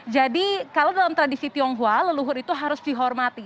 jadi kalau dalam tradisi tionghoa leluhur itu harus dihormati